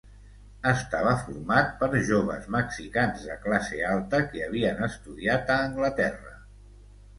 Estava format per joves mexicans de classe alta que havien estudiat a Anglaterra.